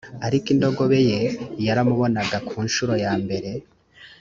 ariko indogobe ye yaramubonaga ku ncuro yambere